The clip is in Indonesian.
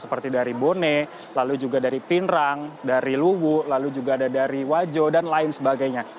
seperti dari bone lalu juga dari pinerang dari luwu lalu juga ada dari wajo dan lain sebagainya